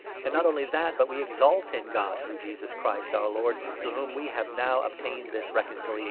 And not only that, but we exult in God, n through Jesus Christ, our Lord, through whom we have now obtained this reconciliation.